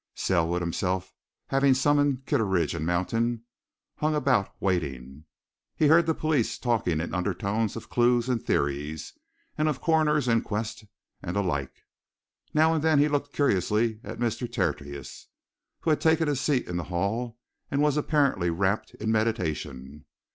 Selwood himself, having summoned Kitteridge and Mountain, hung about, waiting. He heard the police talking in undertones of clues and theories, and of a coroner's inquest, and the like; now and then he looked curiously at Mr. Tertius, who had taken a seat in the hall and was apparently wrapped in meditation.